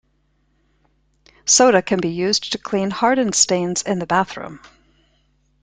Soda can be used to clean hardened stains in the bathroom.